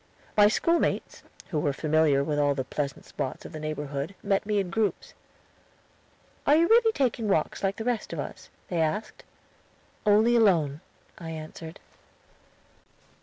My schoolmates, who were familiar with all the pleasant spots of the neighborhood, met me in groups. "Are you really taking walks like the rest of us?" they asked. "Only alone," I answered.